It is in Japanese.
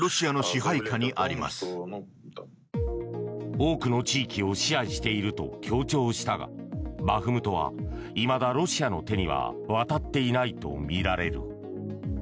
多くの地域を支配していると強調したがバフムトはいまだロシアの手には渡っていないとみられる。